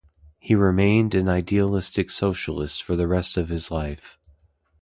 He remained an idealistic socialist for the rest of his life.